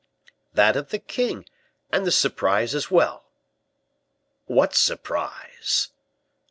"That of the king, and the surprise as well." "What surprise?"